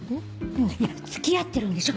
付き合ってるんでしょ？